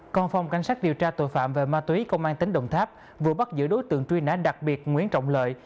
còn phòng cảnh sát điều tra tội phạm về ma túy công an tỉnh đồng tháp vừa bắt giữ đối tượng truy nã đặc biệt nguyễn trọng lợi